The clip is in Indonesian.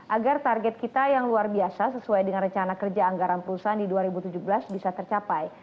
agar target kita yang luar biasa sesuai dengan rencana kerja anggaran perusahaan di dua ribu tujuh belas bisa tercapai